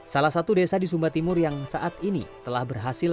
salah satu desa di sumba timur yang saat ini telah berhasil